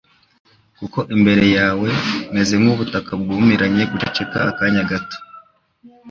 kuko imbere yawe meze nk’ubutaka bwumiranye guceceka akanya gato